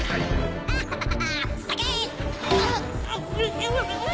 アハハハ！